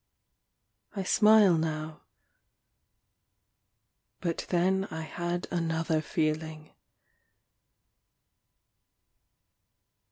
I smile now ... but then I had another feeling.